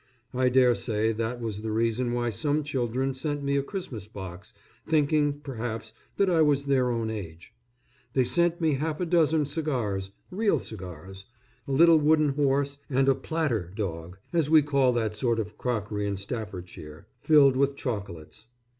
I dare say that was the reason why some children sent me a Christmas box thinking, perhaps, that I was their own age. They sent me half a dozen cigars real cigars; a little wooden horse, and a "platter" dog, as we call that sort of crockery in Staffordshire, filled with chocolates.